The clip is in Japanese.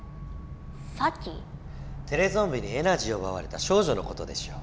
テレゾンビにエナジーをうばわれた少女のことでしょう。